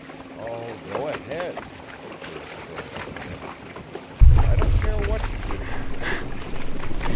"Oh, go ahead," Lewis broke out pettishly. "I don't care what you do."